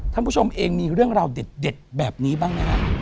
ท่านผู้ชมเองมีเรื่องราวเด็ดแบบนี้บ้างไหมครับ